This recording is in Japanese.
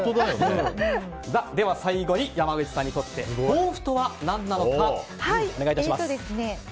最後に山口さんにとって豆腐とは何なのかお願いします。